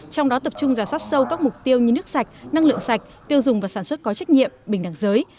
trong đó tập trung giả soát sâu các mục tiêu như nước sạch năng lượng sạch tiêu dùng và sản xuất có trách nhiệm bình đẳng giới